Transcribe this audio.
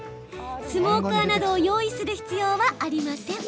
スモーカーなどを用意する必要はありません。